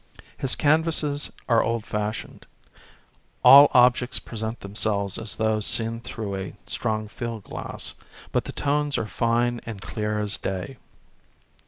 His can vases are old fashioned; all objects present themselves as though seen through a strong field glass, but the tones are fine and clear as day.